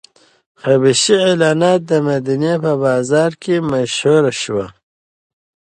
حبشي غلام د مدینې په بازار کې مشهور شو.